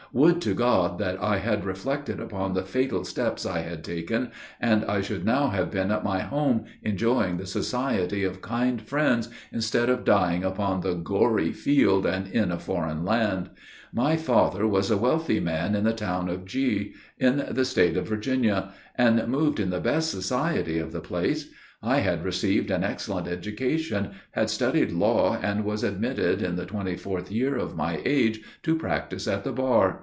Would to God that I had reflected upon the fatal steps I had taken, and I should now have been at my home, enjoying the society of kind friends, instead of dying upon the gory field, and in a foreign land. My father was a wealthy man, in the town of G h, in the state of Virginia, and moved in the best society of the place. I had received an excellent education, had studied law and was admitted, in the twenty fourth year of my age, to practice at the bar.